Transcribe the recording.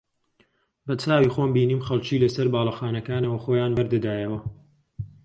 بەچاوی خۆم بینیم خەڵکی لەسەر باڵەخانەکانەوە خۆیان بەردەدایەوە